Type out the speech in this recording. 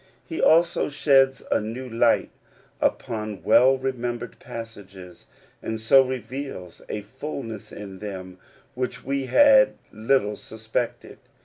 He also sheds a new light upon well remembered passages, and so reveals a fullness in them which we had little suspected.